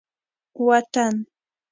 وطن